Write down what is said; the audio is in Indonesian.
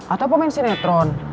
atau pemensi netron